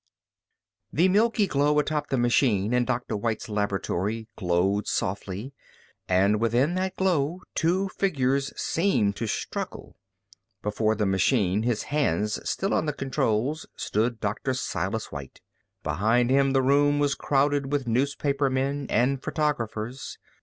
The milky globe atop the machine in Dr. White's laboratory glowed softly, and within that glow two figures seemed to struggle. Before the machine, his hands still on the controls, stood Dr. Silas White. Behind him the room was crowded with newspapermen and photographers.